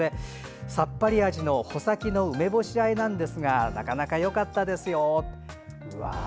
さっぱり味の穂先の梅干しあえですがなかなかよかったですよ。